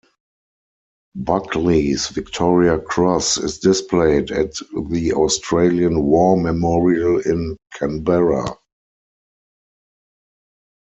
Buckley's Victoria Cross is displayed at the Australian War Memorial in Canberra.